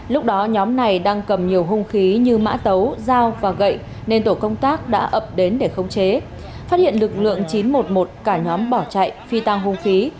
lúc đó nhóm này đang cầm nhiều hung khí như mã tấu dao và gậy nên tổ công tác đã ập đến để khống chế phát hiện lực lượng chín trăm một mươi một cả nhóm bỏ chạy phi tăng hung khí